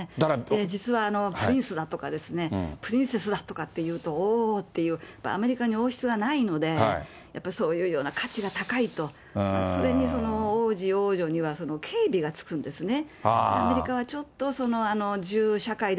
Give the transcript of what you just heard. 実はプリンスだとか、プリンセスだとかっていうと、おーっていう、アメリカに王室がないので、やっぱりそういうような価値が高いと、それに王子、王女には警備がつくんですね。